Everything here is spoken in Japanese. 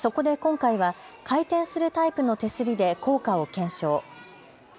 そこで今回は回転するタイプの手すりで効果を検証。